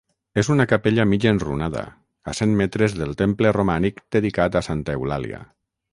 És una capella mig enrunada, a cent metres del temple romànic dedicat a Santa Eulàlia.